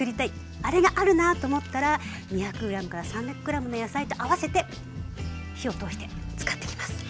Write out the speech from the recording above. あれがあるなと思ったら２００ｇから３００ｇの野菜と合わせて火を通して使っていきます。